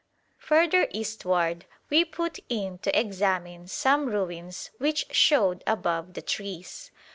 Further eastward we put in to examine some ruins which showed above the trees.